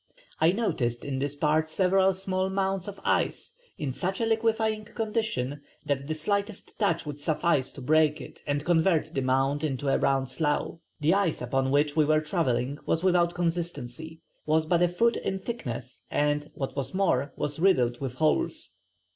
I noticed in this part several small mounds of ice in such a liquefying condition that the slightest touch would suffice to break it and convert the mound into a round slough. The ice upon which we were travelling was without consistency, was but a foot in thickness, and what was more was riddled with holes....